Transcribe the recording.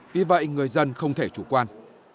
vì vậy người dân không thể chủ quan